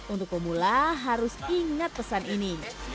untuk pemula harus ingat pesan ini